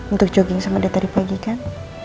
untuk jogging sama dia tadi pagi kan